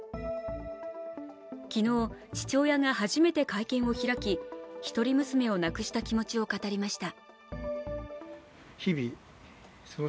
昨日、父親が初めて会見を開き、一人娘を亡くした気持ちを語りました。